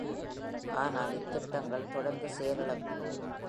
ஆனால் இத்திட்டங்கள் தொடர்ந்து செயலிழந் தன.